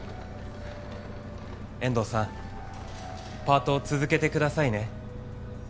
遠藤さんパートを続けてくださいね。